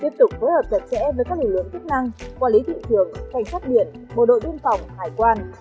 tiếp tục phối hợp chặt chẽ với các lực lượng chức năng quản lý thị trường cảnh sát biển bộ đội biên phòng hải quan